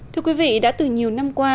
thưa quý vị đã từ nhiều năm qua